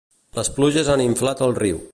Les pluges han inflat el riu.